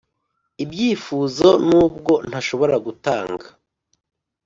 ibyifuzo nubwo ntashobora gutanga.